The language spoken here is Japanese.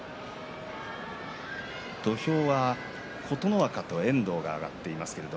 土俵は琴ノ若と遠藤が上がっています。